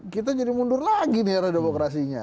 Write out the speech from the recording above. kita jadi mundur lagi di era demokrasinya